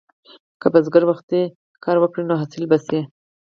که بزګر وختي کر وکړي، نو حاصل به ښه شي.